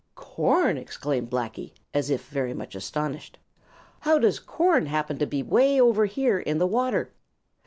"Corn!" exclaimed Blacky, as if very much astonished. "How does corn happen to be way over here in the water?"